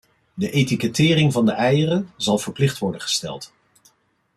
De etikettering van de eieren zal verplicht worden gesteld.